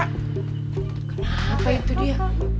kenapa itu dia